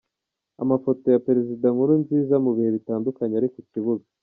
Amafoto ya Perezida Nkurunziza mu bihe bitandukanye ari mu kibuga.